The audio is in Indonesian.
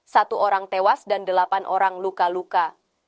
satu orang tewas dan delapan orang luka luka